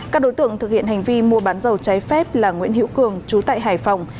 các đối tượng thực hiện hành vi mua bán dầu trái phép là nguyễn hữu cường trú tại hải phòng